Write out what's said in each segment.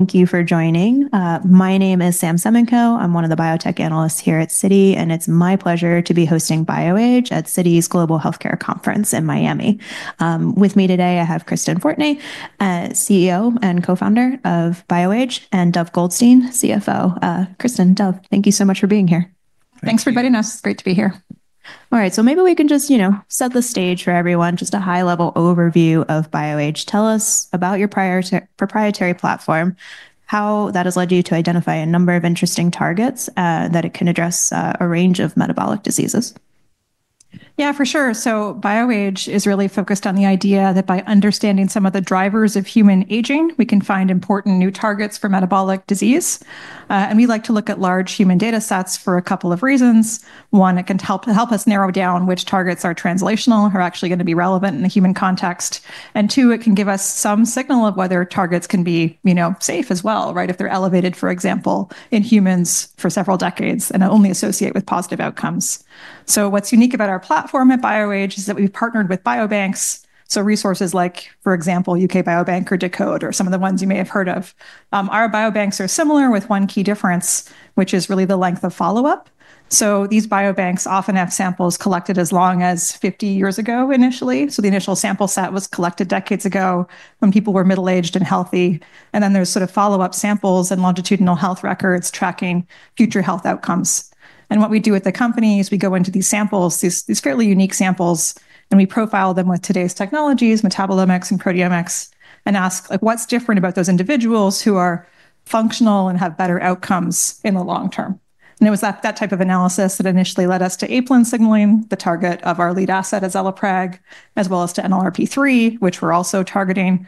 Thank you for joining. My name is Samantha Semenkow. I'm one of the biotech analysts here at Citi, and it's my pleasure to be hosting BioAge at Citi's Global Healthcare Conference in Miami. With me today, I have Kristen Fortney, CEO and co-founder of BioAge, and Dov Goldstein, CFO. Kristen, Dov, thank you so much for being here. Thanks for inviting us. It's great to be here. All right, so maybe we can just set the stage for everyone, just a high-level overview of BioAge. Tell us about your proprietary platform, how that has led you to identify a number of interesting targets that it can address a range of metabolic diseases? Yeah, for sure. So BioAge is really focused on the idea that by understanding some of the drivers of human aging, we can find important new targets for metabolic disease, and we like to look at large human data sets for a couple of reasons. One, it can help us narrow down which targets are translational, are actually going to be relevant in the human context, and two, it can give us some signal of whether targets can be safe as well, if they're elevated, for example, in humans for several decades and only associate with positive outcomes, so what's unique about our platform at BioAge is that we've partnered with biobanks, so resources like, for example, UK Biobank or deCODE, or some of the ones you may have heard of. Our biobanks are similar with one key difference, which is really the length of follow-up. These biobanks often have samples collected as long as 50 years ago initially. The initial sample set was collected decades ago when people were middle-aged and healthy. And then there's sort of follow-up samples and longitudinal health records tracking future health outcomes. And what we do with the company is we go into these samples, these fairly unique samples, and we profile them with today's technologies, metabolomics, and proteomics, and ask what's different about those individuals who are functional and have better outcomes in the long term. And it was that type of analysis that initially led us to apelin signaling, the target of our lead asset azelaprag, as well as to NLRP3, which we're also targeting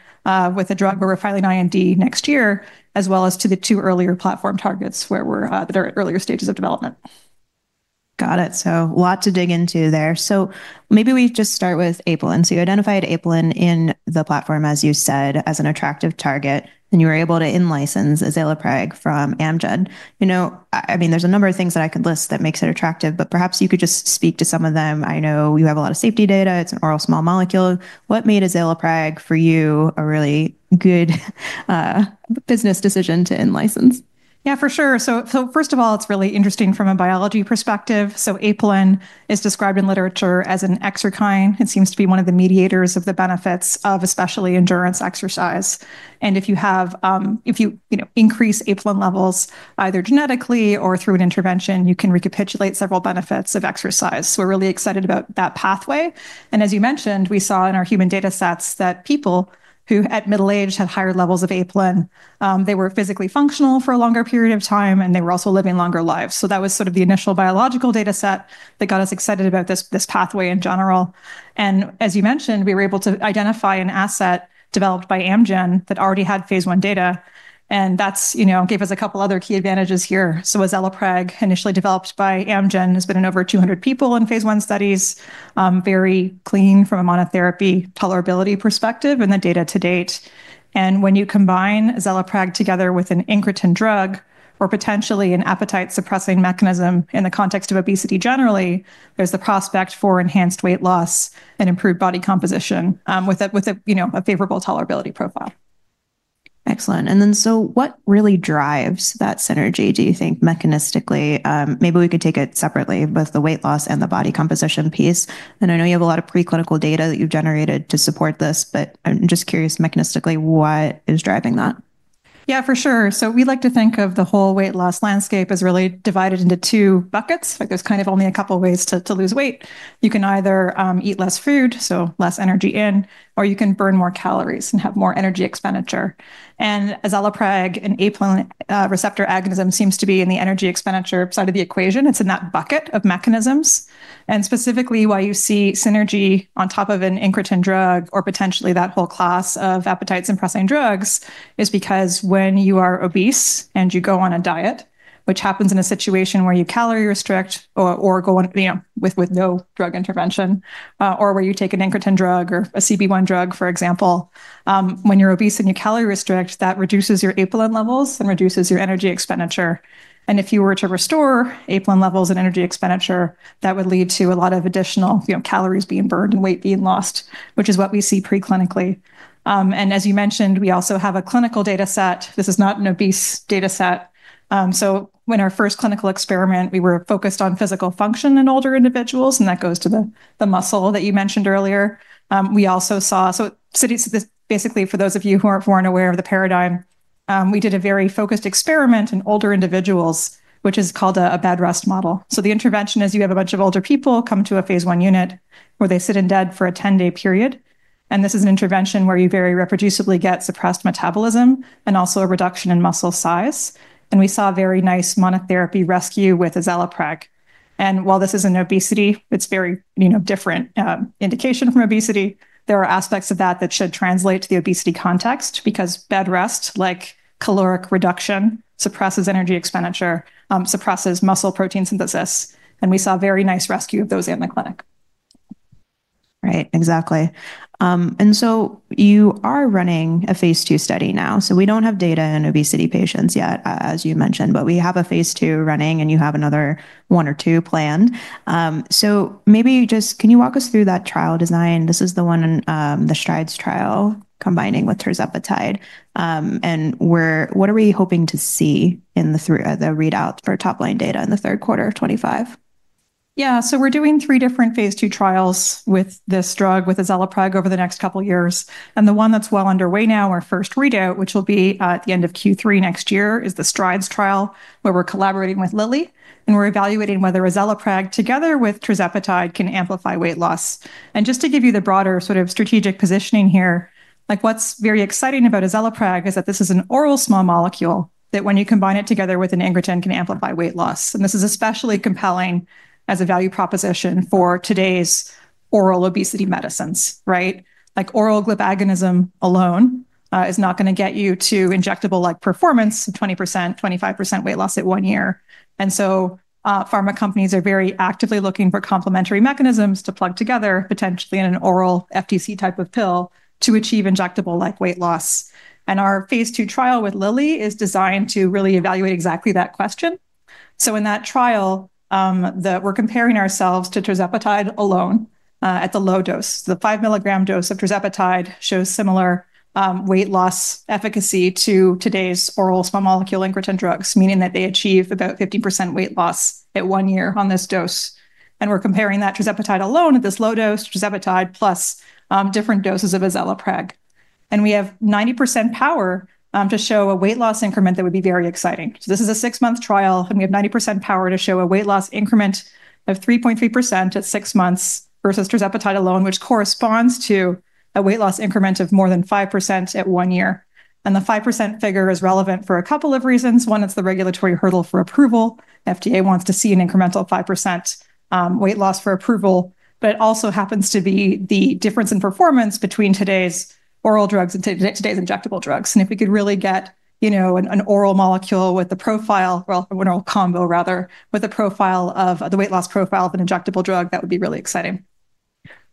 with a drug where we're filing IND next year, as well as to the two earlier platform targets that are at earlier stages of development. Got it. So a lot to dig into there. So maybe we just start with apelin. So you identified apelin in the platform, as you said, as an attractive target, and you were able to in-license azelaprag from Amgen. I mean, there's a number of things that I could list that makes it attractive, but perhaps you could just speak to some of them. I know you have a lot of safety data. It's an oral small molecule. What made a azelaprag for you a really good business decision to in-license? Yeah, for sure. So first of all, it's really interesting from a biology perspective. So apelin is described in literature as an exerkine. It seems to be one of the mediators of the benefits of especially endurance exercise. And if you increase apelin levels either genetically or through an intervention, you can recapitulate several benefits of exercise. So we're really excited about that pathway. And as you mentioned, we saw in our human data sets that people who at middle age had higher levels of apelin, they were physically functional for a longer period of time, and they were also living longer lives. So that was sort of the initial biological data set that got us excited about this pathway in general. And as you mentioned, we were able to identify an asset developed by Amgen that already had phase 1 data. That gave us a couple of other key advantages here. Azelaprag, initially developed by Amgen, has been in over 200 people in phase 1 studies, very clean from a monotherapy tolerability perspective in the data to date. When you combine azelaprag together with an incretin drug or potentially an appetite-suppressing mechanism in the context of obesity generally, there's the prospect for enhanced weight loss and improved body composition with a favorable tolerability profile. Excellent. And then so what really drives that synergy, do you think, mechanistically? Maybe we could take it separately with the weight loss and the body composition piece. And I know you have a lot of preclinical data that you've generated to support this, but I'm just curious, mechanistically, what is driving that? Yeah, for sure. So we like to think of the whole weight loss landscape as really divided into two buckets. There's kind of only a couple of ways to lose weight. You can either eat less food, so less energy in, or you can burn more calories and have more energy expenditure. And azelaprag, an apelin receptor agonist, seems to be in the energy expenditure side of the equation. It's in that bucket of mechanisms. Specifically, why you see synergy on top of an incretin drug or potentially that whole class of appetite-suppressing drugs is because when you are obese and you go on a diet, which happens in a situation where you calorie restrict or go with no drug intervention, or where you take an incretin drug or a CB1 drug, for example, when you're obese and you calorie restrict, that reduces your apelin levels and reduces your energy expenditure. And if you were to restore apelin levels and energy expenditure, that would lead to a lot of additional calories being burned and weight being lost, which is what we see preclinically. And as you mentioned, we also have a clinical data set. This is not an obese data set. When our first clinical experiment, we were focused on physical function in older individuals, and that goes to the muscle that you mentioned earlier. We also saw, so Citi, basically, for those of you who aren't familiar with the paradigm, we did a very focused experiment in older individuals, which is called a bed rest model. So the intervention is you have a bunch of older people come to a phase one unit where they sit in bed for a 10-day period. And this is an intervention where you very reproducibly get suppressed metabolism and also a reduction in muscle size. And we saw a very nice monotherapy rescue with azelaprag. And while this is an obesity, it's a very different indication from obesity, there are aspects of that that should translate to the obesity context because bed rest, like caloric reduction, suppresses energy expenditure, suppresses muscle protein synthesis. We saw very nice rescue of those in the clinic. Right, exactly. And so you are running a phase 2 study now. So we don't have data in obesity patients yet, as you mentioned, but we have a phase 2 running, and you have another one or two planned. So maybe just can you walk us through that trial design? This is the one, the STRIDES trial combining with tirzepatide. And what are we hoping to see in the readout for top-line data in the third quarter of 2025? Yeah, so we're doing three different phase 2 trials with this drug, with azelaprag, over the next couple of years. And the one that's well underway now, our first readout, which will be at the end of Q3 next year, is the STRIDES trial where we're collaborating with Lilly. And we're evaluating whether azelaprag, together with tirzepatide, can amplify weight loss. And just to give you the broader sort of strategic positioning here, what's very exciting about azelaprag is that this is an oral small molecule that when you combine it together with an incretin can amplify weight loss. And this is especially compelling as a value proposition for today's oral obesity medicines. Oral GLP-1 agonism alone is not going to get you to injectable-like performance, 20%, 25% weight loss at one year. Pharma companies are very actively looking for complementary mechanisms to plug together, potentially in an oral FDC type of pill, to achieve injectable-like weight loss. Our phase 2 trial with Lilly is designed to really evaluate exactly that question. In that trial, we're comparing ourselves to tirzepatide alone at the low dose. The 5-milligram dose of tirzepatide shows similar weight loss efficacy to today's oral small molecule incretin drugs, meaning that they achieve about 50% weight loss at one year on this dose. We're comparing that tirzepatide alone at this low dose, tirzepatide plus different doses of azelaprag. We have 90% power to show a weight loss increment that would be very exciting. So this is a six-month trial, and we have 90% power to show a weight loss increment of 3.3% at six months versus tirzepatide alone, which corresponds to a weight loss increment of more than 5% at one year. And the 5% figure is relevant for a couple of reasons. One, it's the regulatory hurdle for approval. FDA wants to see an incremental 5% weight loss for approval, but it also happens to be the difference in performance between today's oral drugs and today's injectable drugs. And if we could really get an oral molecule with a profile, oral combo, rather, with a profile of the weight loss profile of an injectable drug, that would be really exciting.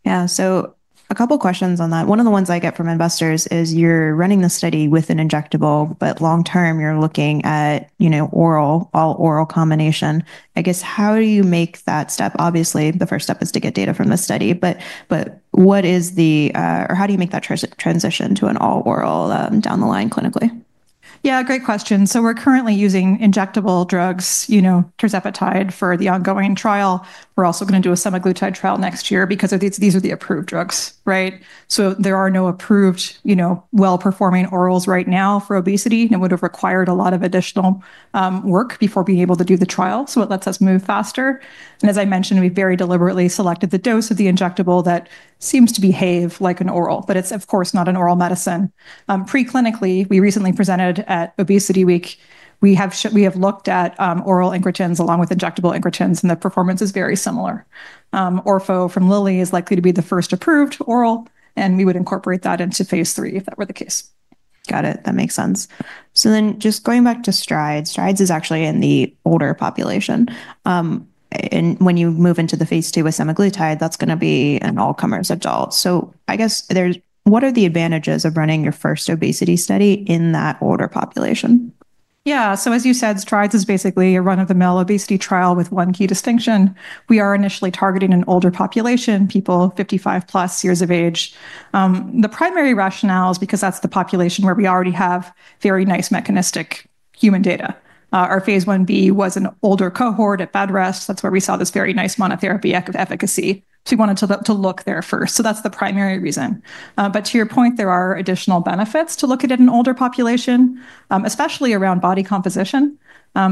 Yeah, so a couple of questions on that. One of the ones I get from investors is you're running the study with an injectable, but long term, you're looking at all oral combination. I guess how do you make that step? Obviously, the first step is to get data from the study, but what is the, or how do you make that transition to an all oral down the line clinically? Yeah, great question. So we're currently using injectable drugs, tirzepatide, for the ongoing trial. We're also going to do a semaglutide trial next year because these are the approved drugs. So there are no approved well-performing orals right now for obesity. It would have required a lot of additional work before being able to do the trial. So it lets us move faster. And as I mentioned, we very deliberately selected the dose of the injectable that seems to behave like an oral, but it's, of course, not an oral medicine. Preclinically, we recently presented at Obesity Week. We have looked at oral incretins along with injectable incretins, and the performance is very similar. Orfo from Lilly is likely to be the first approved oral, and we would incorporate that into phase three if that were the case. Got it. That makes sense. So then just going back to STRIDES, STRIDES is actually in the older population. And when you move into the phase two with semaglutide, that's going to be an all-comers adult. So I guess what are the advantages of running your first obesity study in that older population? Yeah, so as you said, STRIDES is basically a run-of-the-mill obesity trial with one key distinction. We are initially targeting an older population, people 55 plus years of age. The primary rationale is because that's the population where we already have very nice mechanistic human data. Our phase 1b was an older cohort at bed rest. That's where we saw this very nice monotherapy efficacy. So we wanted to look there first. So that's the primary reason. But to your point, there are additional benefits to look at in an older population, especially around body composition.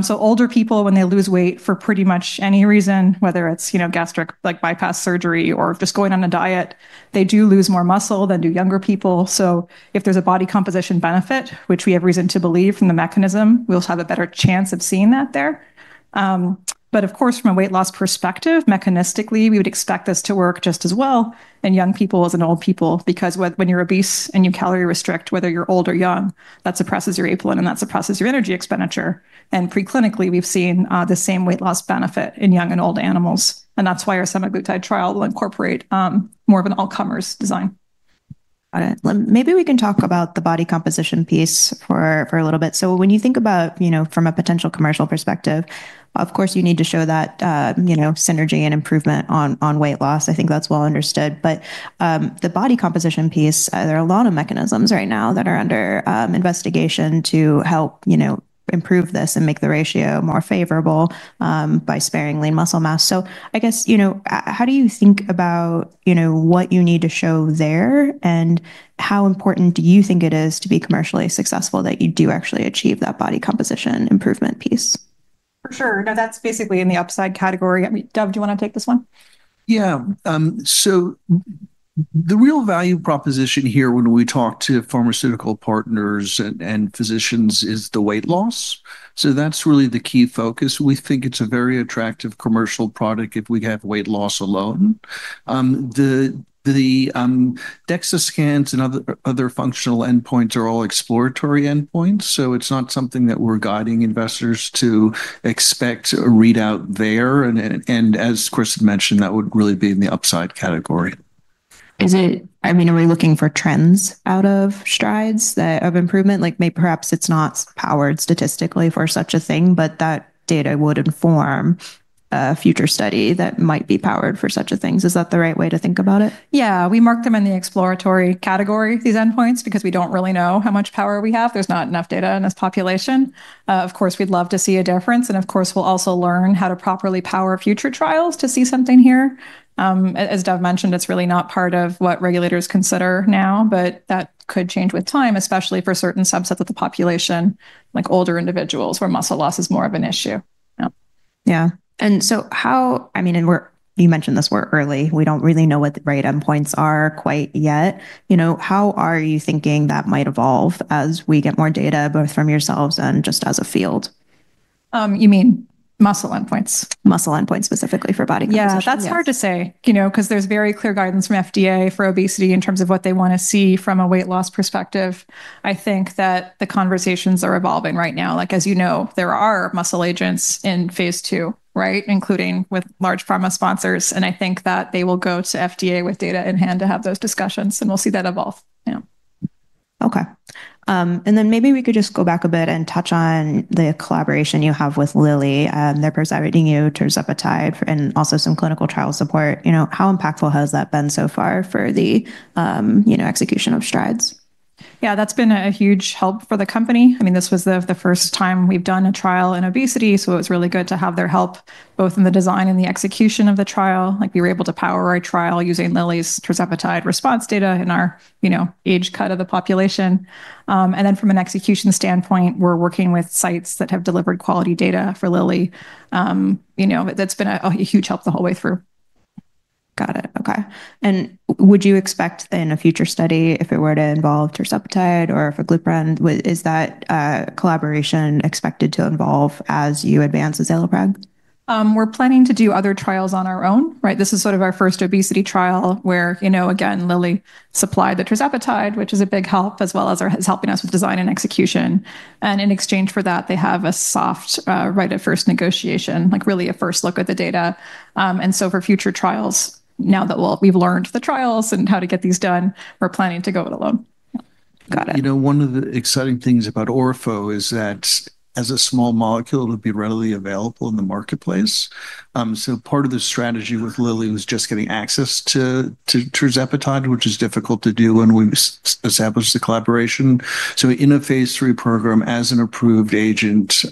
So older people, when they lose weight for pretty much any reason, whether it's gastric bypass surgery or just going on a diet, they do lose more muscle than do younger people. So if there's a body composition benefit, which we have reason to believe from the mechanism, we'll have a better chance of seeing that there. But of course, from a weight loss perspective, mechanistically, we would expect this to work just as well in young people as in old people because when you're obese and you calorie restrict, whether you're old or young, that suppresses your apelin, and that suppresses your energy expenditure. And preclinically, we've seen the same weight loss benefit in young and old animals. And that's why our semaglutide trial will incorporate more of an all-comers design. Got it. Maybe we can talk about the body composition piece for a little bit. So when you think about from a potential commercial perspective, of course, you need to show that synergy and improvement on weight loss. I think that's well understood. But the body composition piece, there are a lot of mechanisms right now that are under investigation to help improve this and make the ratio more favorable by sparing lean muscle mass. So I guess, how do you think about what you need to show there and how important do you think it is to be commercially successful that you do actually achieve that body composition improvement piece? For sure. No, that's basically in the upside category. Dov, do you want to take this one? Yeah. So the real value proposition here when we talk to pharmaceutical partners and physicians is the weight loss. So that's really the key focus. We think it's a very attractive commercial product if we have weight loss alone. The DEXA scans and other functional endpoints are all exploratory endpoints. So it's not something that we're guiding investors to expect a readout there. And as Kristen mentioned, that would really be in the upside category. I mean, are we looking for trends out of STRIDES of improvement? Maybe perhaps it's not powered statistically for such a thing, but that data would inform a future study that might be powered for such a thing. Is that the right way to think about it? Yeah, we mark them in the exploratory category, these endpoints, because we don't really know how much power we have. There's not enough data in this population. Of course, we'd love to see a difference, and of course, we'll also learn how to properly power future trials to see something here. As Dov mentioned, it's really not part of what regulators consider now, but that could change with time, especially for certain subsets of the population, like older individuals where muscle loss is more of an issue. Yeah. And so, how, I mean, and you mentioned this, we're early. We don't really know what the right endpoints are quite yet. How are you thinking that might evolve as we get more data, both from yourselves and just as a field? You mean muscle endpoints? Muscle endpoints specifically for body composition. Yeah, that's hard to say because there's very clear guidance from FDA for obesity in terms of what they want to see from a weight loss perspective. I think that the conversations are evolving right now. As you know, there are muscle agents in phase 2, including with large pharma sponsors. And I think that they will go to FDA with data in hand to have those discussions, and we'll see that evolve. Okay. And then maybe we could just go back a bit and touch on the collaboration you have with Lilly. They're providing tirzepatide and also some clinical trial support. How impactful has that been so far for the execution of STRIDES? Yeah, that's been a huge help for the company. I mean, this was the first time we've done a trial in obesity, so it was really good to have their help both in the design and the execution of the trial. We were able to power our trial using Lilly's tirzepatide response data in our age cut of the population. And then from an execution standpoint, we're working with sites that have delivered quality data for Lilly. That's been a huge help the whole way through. Got it. Okay. And would you expect in a future study, if it were to involve tirzepatide or if a GLP-1 brand, is that collaboration expected to evolve as you advance azelaprag? We're planning to do other trials on our own. This is sort of our first obesity trial where, again, Lilly supplied the tirzepatide, which is a big help, as well as helping us with design and execution. And in exchange for that, they have a soft right-of-first negotiation, like really a first look at the data. And so for future trials, now that we've learned the trials and how to get these done, we're planning to go it alone. Got it. One of the exciting things about Orfo is that as a small molecule, it'll be readily available in the marketplace. So part of the strategy with Lilly was just getting access to tirzepatide, which is difficult to do when we established the collaboration. So in a phase 3 program, as an approved agent,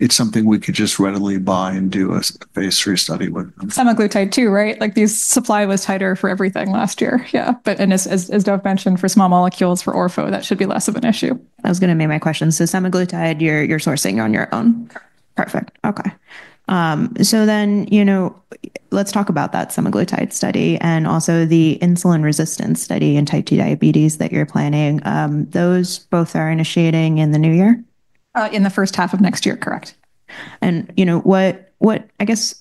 it's something we could just readily buy and do a phase 3 study with. Semaglutide too, right? Like the supply was tighter for everything last year. Yeah. But as Dov mentioned, for small molecules for Orfo, that should be less of an issue. I was going to make my question. So semaglutide, you're sourcing on your own? Correct. Perfect. Okay. So then let's talk about that semaglutide study and also the insulin resistance study in type 2 diabetes that you're planning. Those both are initiating in the new year? In the first half of next year, correct. I guess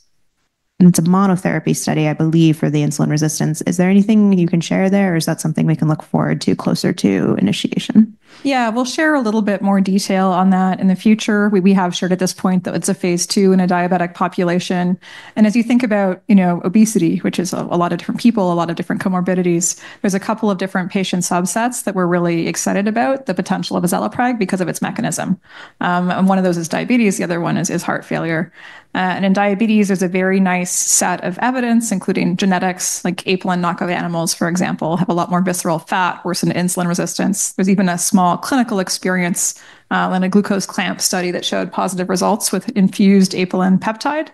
it's a monotherapy study, I believe, for the insulin resistance. Is there anything you can share there, or is that something we can look forward to closer to initiation? Yeah, we'll share a little bit more detail on that in the future. We have shared at this point that it's a phase 2 in a diabetic population. And as you think about obesity, which is a lot of different people, a lot of different comorbidities, there's a couple of different patient subsets that we're really excited about the potential of azelaprag because of its mechanism. And one of those is diabetes. The other one is heart failure. And in diabetes, there's a very nice set of evidence, including genetics, like apelin, knockout animals, for example, have a lot more visceral fat, worsened insulin resistance. There's even a small clinical experience in a glucose clamp study that showed positive results with infused apelin peptide.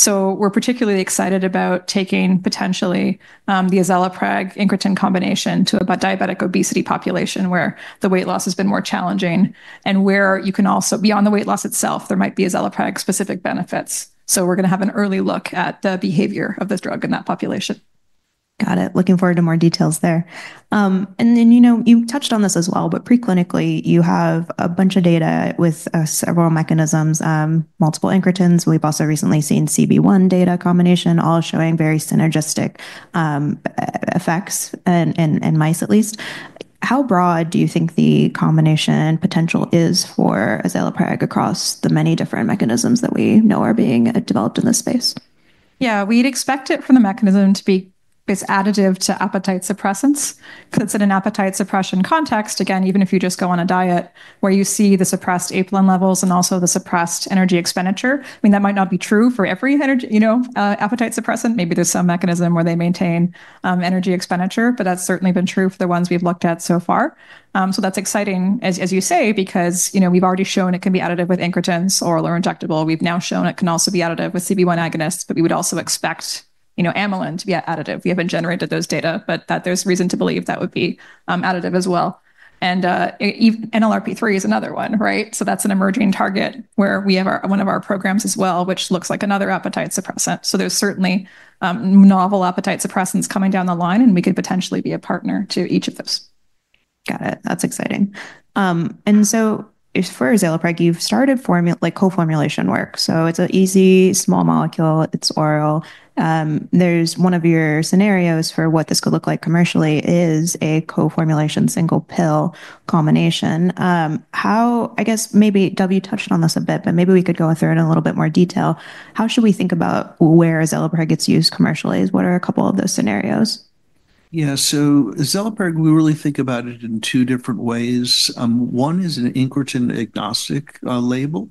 So we're particularly excited about taking potentially the azelaprag incretin combination to a diabetic obesity population where the weight loss has been more challenging and where you can also, beyond the weight loss itself, there might be azelaprag specific benefits. So we're going to have an early look at the behavior of this drug in that population. Got it. Looking forward to more details there. And then you touched on this as well, but preclinically, you have a bunch of data with several mechanisms, multiple incretins. We've also recently seen CB1 data combination, all showing very synergistic effects in mice, at least. How broad do you think the combination potential is for azelaprag across the many different mechanisms that we know are being developed in this space? Yeah, we'd expect it from the mechanism to be additive to appetite suppressants. Because it's in an appetite suppression context, again, even if you just go on a diet where you see the suppressed apelin levels and also the suppressed energy expenditure, I mean, that might not be true for every appetite suppressant. Maybe there's some mechanism where they maintain energy expenditure, but that's certainly been true for the ones we've looked at so far. So that's exciting, as you say, because we've already shown it can be additive with incretins, oral or injectable. We've now shown it can also be additive with CB1 agonists, but we would also expect amylin to be additive. We haven't generated those data, but there's reason to believe that would be additive as well. And NLRP3 is another one, right? So that's an emerging target where we have one of our programs as well, which looks like another appetite suppressant. So there's certainly novel appetite suppressants coming down the line, and we could potentially be a partner to each of those. Got it. That's exciting. And so for azelaprag, you've started co-formulation work. So it's an easy small molecule. It's oral. One of your scenarios for what this could look like commercially is a co-formulation single pill combination. I guess maybe, Dov, you touched on this a bit, but maybe we could go through it in a little bit more detail. How should we think about where azelaprag gets used commercially? What are a couple of those scenarios? Yeah, so azelaprag, we really think about it in two different ways. One is an incretin agnostic label,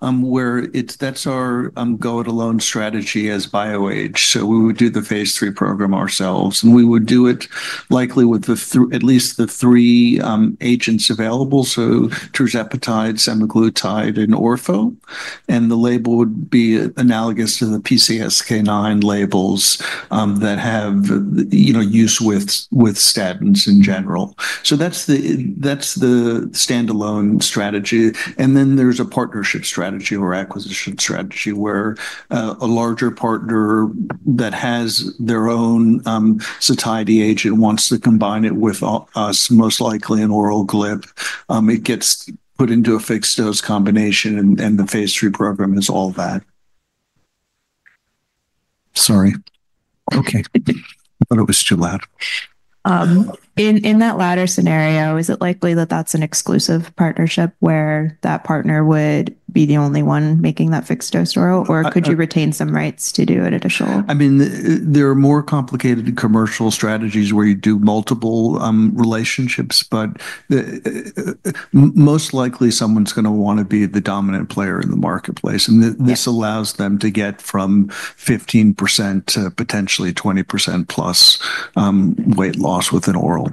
where that's our go-it-alone strategy as BioAge. So we would do the phase three program ourselves, and we would do it likely with at least the three agents available, so tirzepatide, semaglutide, and Orfo. And the label would be analogous to the PCSK9 labels that have use with statins in general. So that's the standalone strategy. And then there's a partnership strategy or acquisition strategy where a larger partner that has their own tirzepatide agent wants to combine it with us, most likely an oral GLP-1. It gets put into a fixed dose combination, and the phase three program is all that. Sorry. Okay. I thought it was too loud. In that latter scenario, is it likely that that's an exclusive partnership where that partner would be the only one making that fixed dose oral, or could you retain some rights to do an additional? I mean, there are more complicated commercial strategies where you do multiple relationships, but most likely someone's going to want to be the dominant player in the marketplace, and this allows them to get from 15% to potentially 20% plus weight loss with an oral.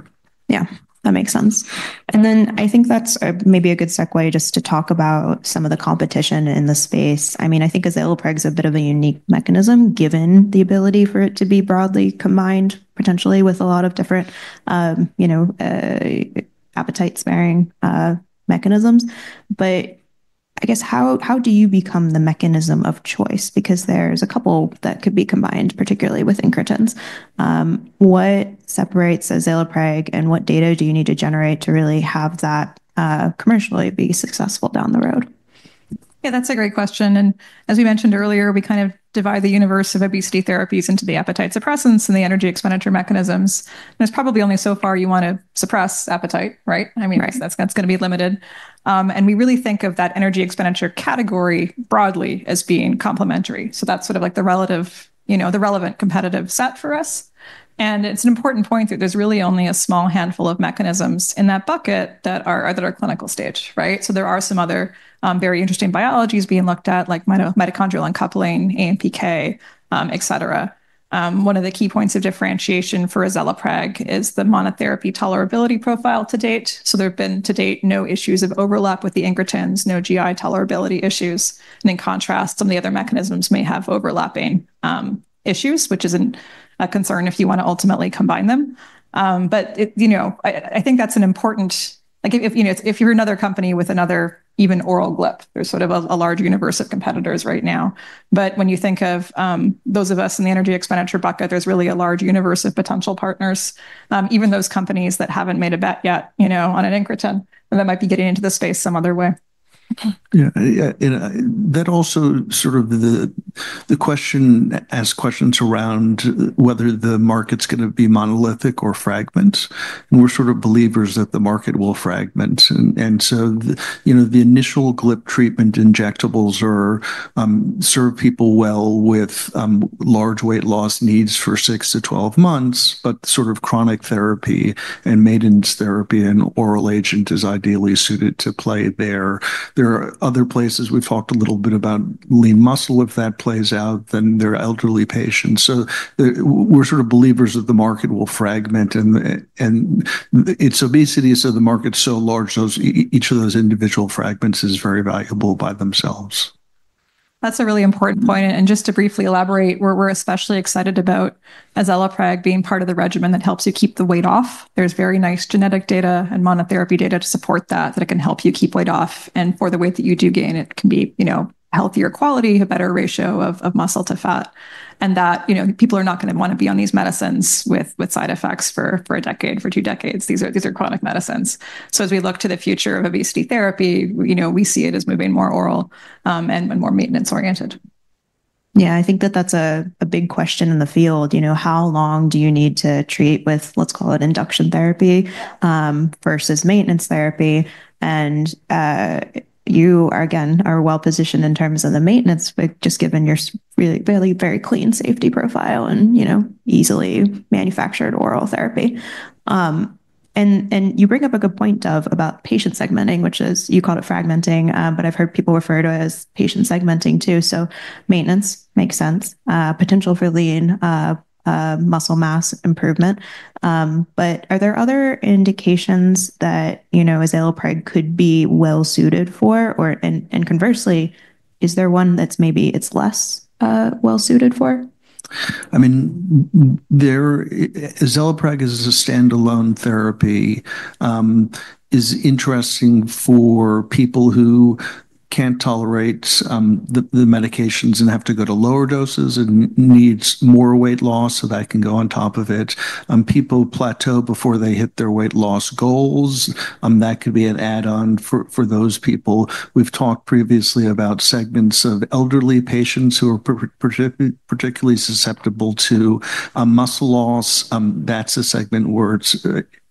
Yeah, that makes sense. And then I think that's maybe a good segue just to talk about some of the competition in the space. I mean, I think azelaprag is a bit of a unique mechanism given the ability for it to be broadly combined, potentially with a lot of different appetite-sparing mechanisms. But I guess how do you become the mechanism of choice? Because there's a couple that could be combined, particularly with incretins. What separates azelaprag, and what data do you need to generate to really have that commercially be successful down the road? Yeah, that's a great question. And as we mentioned earlier, we kind of divide the universe of obesity therapies into the appetite suppressants and the energy expenditure mechanisms. And it's probably only so far you want to suppress appetite, right? I mean, that's going to be limited. And we really think of that energy expenditure category broadly as being complementary. So that's sort of like the relevant competitive set for us. And it's an important point that there's really only a small handful of mechanisms in that bucket that are at our clinical stage, right? So there are some other very interesting biologies being looked at, like mitochondrial uncoupling, AMPK, et cetera. One of the key points of differentiation for azelaprag is the monotherapy tolerability profile to date. So there have been to date no issues of overlap with the incretins, no GI tolerability issues. In contrast, some of the other mechanisms may have overlapping issues, which is a concern if you want to ultimately combine them. I think that's an important... If you're another company with another even oral GLP-1, there's sort of a large universe of competitors right now. When you think of those of us in the energy expenditure bucket, there's really a large universe of potential partners, even those companies that haven't made a bet yet on an incretin, and that might be getting into the space some other way. Yeah. That also sort of the question asks questions around whether the market's going to be monolithic or fragments. And we're sort of believers that the market will fragment. And so the initial GLP-1 treatment injectables serve people well with large weight loss needs for six to 12 months, but sort of chronic therapy and maintenance therapy and oral agent is ideally suited to play there. There are other places we've talked a little bit about lean muscle if that plays out, then they're elderly patients. So we're sort of believers that the market will fragment. And it's obesity, so the market's so large, each of those individual fragments is very valuable by themselves. That's a really important point, and just to briefly elaborate, we're especially excited about azelaprag being part of the regimen that helps you keep the weight off. There's very nice genetic data and monotherapy data to support that, that it can help you keep weight off, and for the weight that you do gain, it can be healthier quality, a better ratio of muscle to fat, and that people are not going to want to be on these medicines with side effects for a decade, for two decades. These are chronic medicines, so as we look to the future of obesity therapy, we see it as moving more oral and more maintenance-oriented. Yeah, I think that that's a big question in the field. How long do you need to treat with, let's call it, induction therapy versus maintenance therapy? And you, again, are well positioned in terms of the maintenance, just given your really very clean safety profile and easily manufactured oral therapy. And you bring up a good point about patient segmenting, which is, you call it fragmenting, but I've heard people refer to it as patient segmenting too. So maintenance makes sense, potential for lean muscle mass improvement. But are there other indications that azelaprag could be well suited for? Or conversely, is there one that's maybe it's less well suited for? I mean, azelaprag as a standalone therapy is interesting for people who can't tolerate the medications and have to go to lower doses and need more weight loss so that can go on top of it. People plateau before they hit their weight loss goals. That could be an add-on for those people. We've talked previously about segments of elderly patients who are particularly susceptible to muscle loss. That's a segment where it's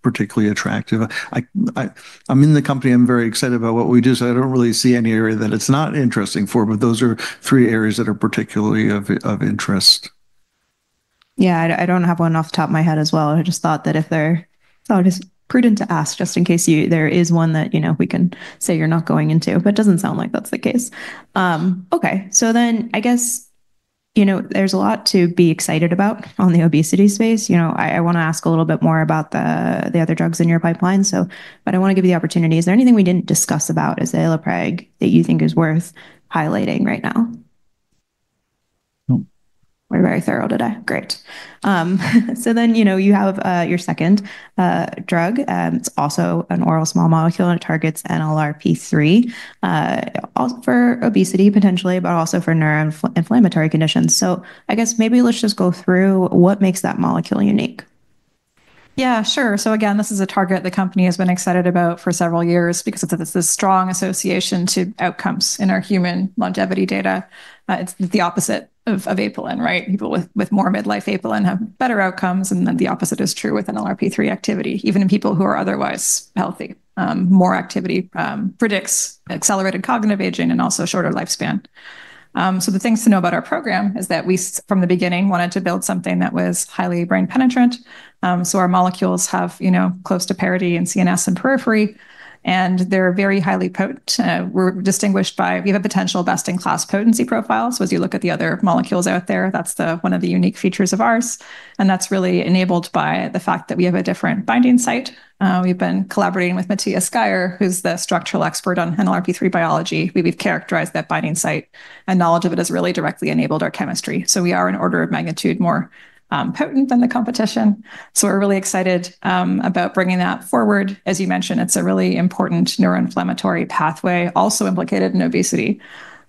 particularly attractive. I'm in the company. I'm very excited about what we do, so I don't really see any area that it's not interesting for, but those are three areas that are particularly of interest. Yeah, I don't have one off the top of my head as well. I just thought that if they're... I thought it was prudent to ask just in case there is one that we can say you're not going into, but it doesn't sound like that's the case. Okay, so then I guess there's a lot to be excited about on the obesity space. I want to ask a little bit more about the other drugs in your pipeline, but I want to give you the opportunity. Is there anything we didn't discuss about azelaprag that you think is worth highlighting right now? No. We're very thorough today. Great. So then you have your second drug. It's also an oral small molecule, and it targets NLRP3 for obesity potentially, but also for neuroinflammatory conditions. So I guess maybe let's just go through what makes that molecule unique. Yeah, sure. So again, this is a target the company has been excited about for several years because it's a strong association to outcomes in our human longevity data. It's the opposite of apelin, right? People with more mid-life apelin have better outcomes, and then the opposite is true with NLRP3 activity. Even in people who are otherwise healthy, more activity predicts accelerated cognitive aging and also shorter lifespan. So the things to know about our program is that we, from the beginning, wanted to build something that was highly brain penetrant. So our molecules have close to parity in CNS and periphery, and they're very highly potent. We're distinguished by we have a potential best-in-class potency profile. So as you look at the other molecules out there, that's one of the unique features of ours. And that's really enabled by the fact that we have a different binding site. We've been collaborating with Matthias Geyer, who's the structural expert on NLRP3 biology. We've characterized that binding site, and knowledge of it has really directly enabled our chemistry. So we are an order of magnitude more potent than the competition. So we're really excited about bringing that forward. As you mentioned, it's a really important neuroinflammatory pathway, also implicated in obesity.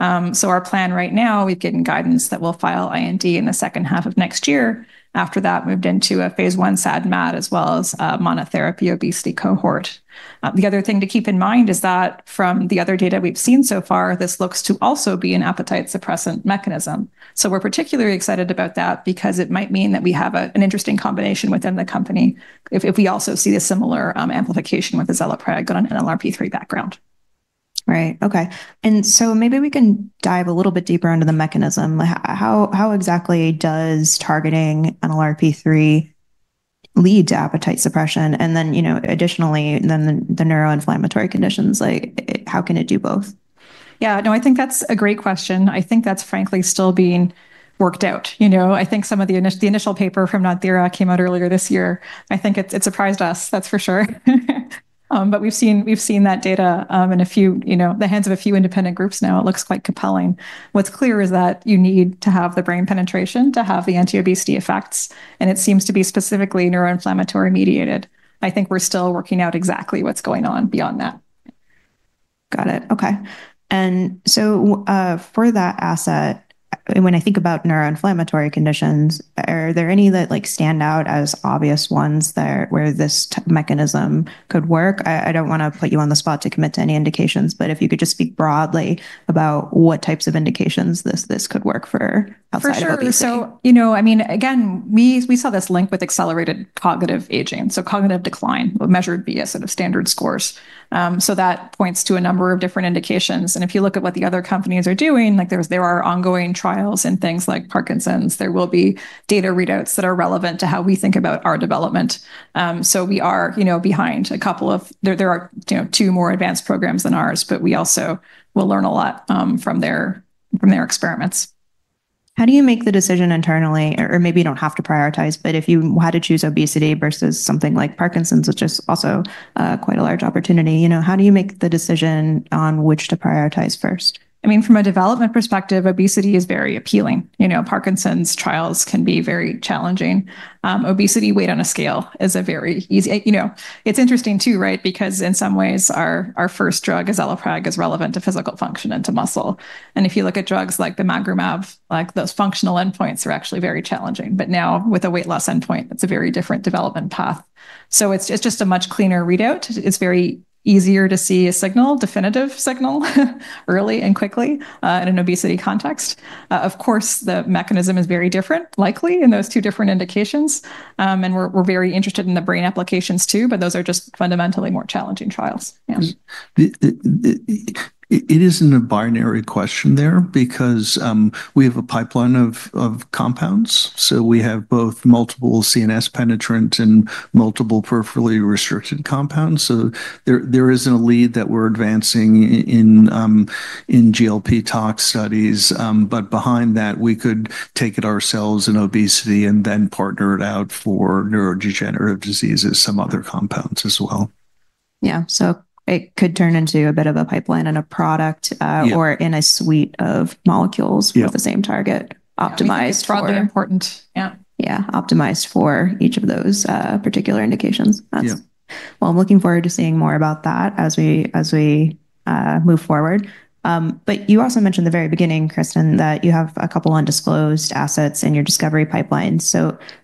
So our plan right now, we've given guidance that we'll file IND in the second half of next year. After that, moved into a phase 1 SAD/MAD as well as monotherapy obesity cohort. The other thing to keep in mind is that from the other data we've seen so far, this looks to also be an appetite suppressant mechanism. So we're particularly excited about that because it might mean that we have an interesting combination within the company if we also see a similar amplification with the azelaprag on an NLRP3 background. Right, okay. And so maybe we can dive a little bit deeper into the mechanism. How exactly does targeting NLRP3 lead to appetite suppression? And then additionally, then the neuroinflammatory conditions, how can it do both? Yeah, no, I think that's a great question. I think that's frankly still being worked out. I think some of the initial paper from NodThera came out earlier this year. I think it surprised us, that's for sure. But we've seen that data in the hands of a few independent groups now. It looks quite compelling. What's clear is that you need to have the brain penetration to have the anti-obesity effects, and it seems to be specifically neuroinflammatory mediated. I think we're still working out exactly what's going on beyond that. Got it, okay. And so for that asset, when I think about neuroinflammatory conditions, are there any that stand out as obvious ones where this mechanism could work? I don't want to put you on the spot to commit to any indications, but if you could just speak broadly about what types of indications this could work for outside obesity. For sure. So I mean, again, we saw this link with accelerated cognitive aging. So cognitive decline, what measured via sort of standard scores. So that points to a number of different indications and if you look at what the other companies are doing, there are ongoing trials in things like Parkinson's. There will be data readouts that are relevant to how we think about our development. So we are behind a couple. There are two more advanced programs than ours, but we also will learn a lot from their experiments. How do you make the decision internally? Or maybe you don't have to prioritize, but if you had to choose obesity versus something like Parkinson's, which is also quite a large opportunity, how do you make the decision on which to prioritize first? I mean, from a development perspective, obesity is very appealing. Parkinson's trials can be very challenging. Obesity weight on a scale is a very easy. It's interesting too, right? Because in some ways, our first drug, azelaprag, is relevant to physical function and to muscle, and if you look at drugs like bimagrumab, those functional endpoints are actually very challenging, but now with a weight loss endpoint, it's a very different development path, so it's just a much cleaner readout. It's very easier to see a signal, definitive signal, early and quickly in an obesity context. Of course, the mechanism is very different, likely in those two different indications, and we're very interested in the brain applications too, but those are just fundamentally more challenging trials. It isn't a binary question there because we have a pipeline of compounds. So we have both multiple CNS penetrant and multiple peripherally restricted compounds. So there is a lead that we're advancing in GLP-tox studies. But behind that, we could take it ourselves in obesity and then partner it out for neurodegenerative diseases, some other compounds as well. Yeah, so it could turn into a bit of a pipeline and a product or in a suite of molecules with the same target optimized for. It's probably important. Yeah. Yeah, optimized for each of those particular indications. Yeah. I'm looking forward to seeing more about that as we move forward. You also mentioned at the very beginning, Kristen, that you have a couple of undisclosed assets in your discovery pipeline.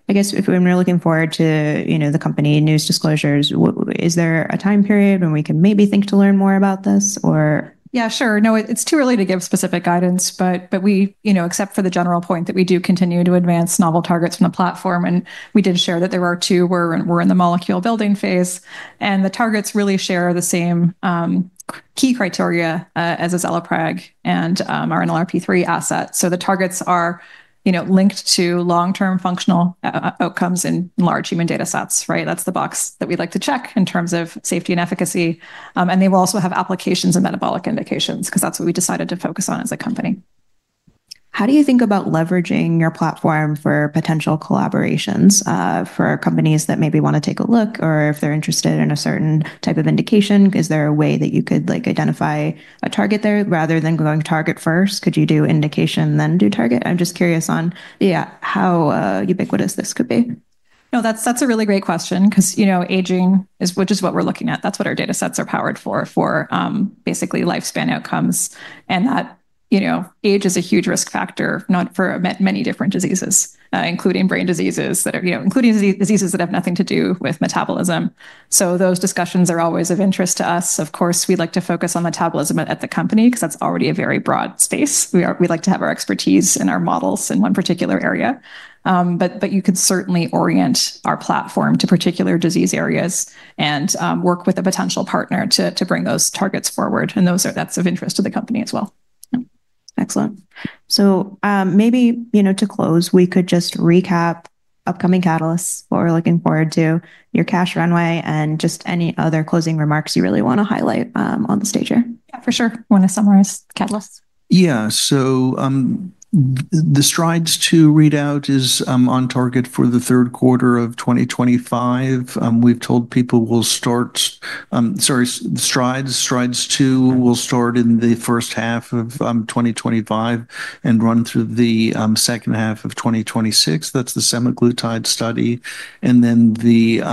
I guess when we're looking forward to the company news disclosures, is there a time period when we can maybe think to learn more about this or? Yeah, sure. No, it's too early to give specific guidance, but except for the general point that we do continue to advance novel targets from the platform. And we did share that there were two where we're in the molecule building phase. And the targets really share the same key criteria as azelaprag and our NLRP3 asset. So the targets are linked to long-term functional outcomes in large human data sets, right? That's the box that we'd like to check in terms of safety and efficacy. And they will also have applications and metabolic indications because that's what we decided to focus on as a company. How do you think about leveraging your platform for potential collaborations for companies that maybe want to take a look or if they're interested in a certain type of indication? Is there a way that you could identify a target there rather than going target first? Could you do indication, then do target? I'm just curious on how ubiquitous this could be. No, that's a really great question because aging is just what we're looking at. That's what our data sets are powered for, for basically lifespan outcomes. And age is a huge risk factor, not for many different diseases, including brain diseases, including diseases that have nothing to do with metabolism. So those discussions are always of interest to us. Of course, we'd like to focus on metabolism at the company because that's already a very broad space. We like to have our expertise and our models in one particular area. But you could certainly orient our platform to particular disease areas and work with a potential partner to bring those targets forward. And that's of interest to the company as well. Excellent. So maybe to close, we could just recap upcoming catalysts, what we're looking forward to, your cash runway, and just any other closing remarks you really want to highlight on the stage here. Yeah, for sure. I want to summarize catalysts. Yeah, so the STRIDES 2 readout is on target for the third quarter of 2025. We've told people we'll start, sorry, STRIDES, STRIDES 2 will start in the first half of 2025 and run through the second half of 2026. That's the semaglutide study. And then the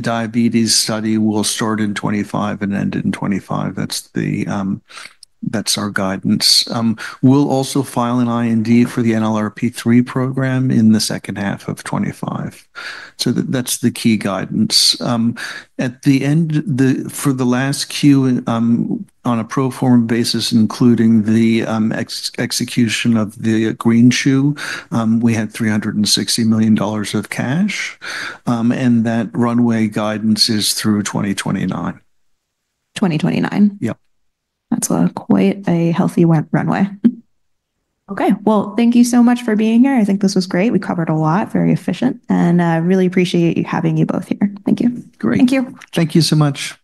diabetes study will start in 2025 and end in 2025. That's our guidance. We'll also file an IND for the NLRP3 program in the second half of 2025. So that's the key guidance. At the end, for the last Q on a pro forma basis, including the execution of the green shoe, we had $360 million of cash. And that runway guidance is through 2029. 2029. Yep. That's quite a healthy runway. Okay, well, thank you so much for being here. I think this was great. We covered a lot, very efficient, and I really appreciate having you both here. Thank you. Great. Thank you. Thank you so much.